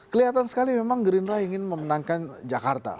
kelihatan sekali memang gerindra ingin memenangkan jakarta